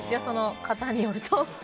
その方によると。